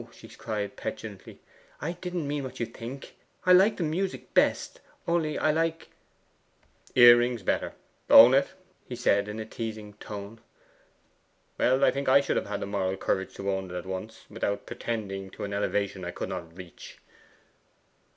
she cried petulantly; 'I didn't mean what you think. I like the music best, only I like ' 'Earrings better own it!' he said in a teasing tone. 'Well, I think I should have had the moral courage to own it at once, without pretending to an elevation I could not reach.